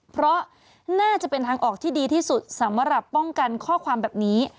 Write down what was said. เพราะน่าจะเป็นทางออกที่ดีที่สุดสำหรับป้องกันข้อความแบบนี้